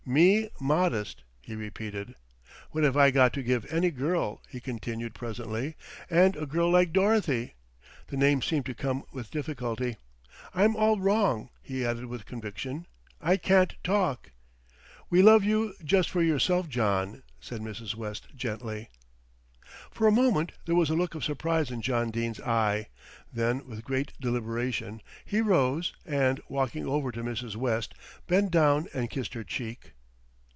"Me modest," he repeated. "What have I got to give any girl," he continued presently, "and a girl like Dorothy." The name seemed to come with difficulty. "I'm all wrong," he added with conviction. "I can't talk " "We love you just for yourself, John," said Mrs. West gently. For a moment there was a look of surprise in John Dene's eye, then with great deliberation he rose and, walking over to Mrs. West, bent down and kissed her cheek.